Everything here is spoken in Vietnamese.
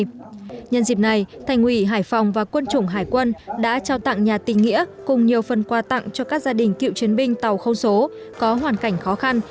nhân dịp này thành ủy hải phòng và quân chủng hải quân đã trao tặng nhà tình nghĩa cùng nhiều phần quà tặng cho các gia đình cựu chiến binh tàu không số có hoàn cảnh khó khăn